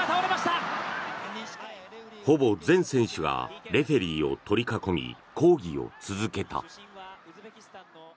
ほぼ全選手がレフェリーを取り囲み抗議を続けた。